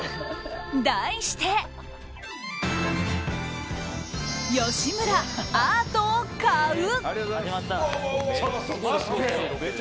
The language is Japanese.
題して、吉村アートを買う。